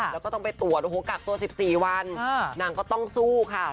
แล้วก็ต้องไปตรวจโอ้โหกักตัว๑๔วันนางก็ต้องสู้ค่ะ